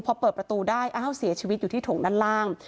พอเปิดประตูได้อ้าวเสียชีวิตอยู่ที่ถงด้านล่าง